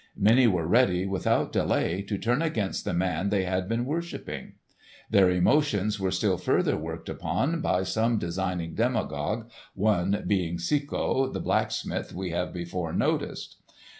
Many were ready, without delay, to turn against the man they had been worshipping. Their emotions were still further worked upon by some designing demagogues, one being Cecco, the blacksmith we have before noticed.